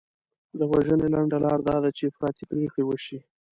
د وژنې لنډه لار دا ده چې افراطي پرېکړې وشي.